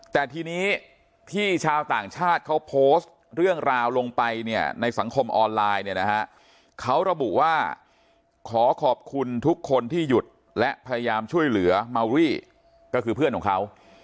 แต่ทีนี้ที่ชาวต่างชาติเขาโพสต์เรื่องราวลงไปเนี่ยในสังคมออนไลน์เนี่ยนะฮะเขาระบุว่าขอขอบคุณทุกคนที่หยุดและพยายามช่วยเหลือเมารี่ก็คือเพื่อนของเขา